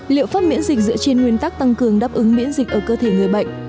liệu pháp miễn dịch dựa trên nguyên tắc tăng cường đáp ứng miễn dịch ở cơ thể người bệnh